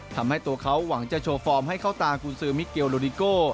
ทำให้ตัวเขาหวังจะโชว์ฟอร์มให้เข้าตากุญซือมิเกลโลดิโก